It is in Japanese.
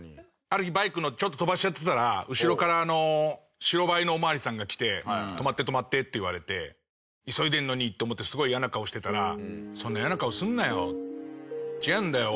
ある日バイクちょっと飛ばしちゃってたら後ろから白バイのお巡りさんが来て「止まって止まって」って言われて急いでるのにって思ってすごいイヤな顔してたら「そんなイヤな顔するなよ。違うんだよ。